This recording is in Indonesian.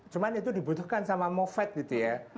cuma itu dibutuhkan sama moved gitu ya